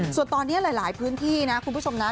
ส่วนตอนนี้หลายพื้นที่นะคุณผู้ชมนะ